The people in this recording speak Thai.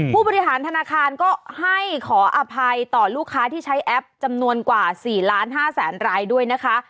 ผู้บริหารธนาคารก็ให้ขออภัยต่อลูกค้าที่ใช้แอปจำนวนกว่า๔๕๐๐๐รายด้วยนะคะ